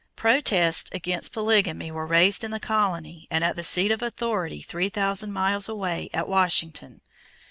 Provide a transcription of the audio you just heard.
Protests against polygamy were raised in the colony and at the seat of authority three thousand miles away at Washington.